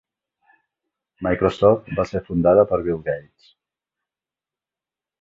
Microsoft va ser fundada per Bill Gates.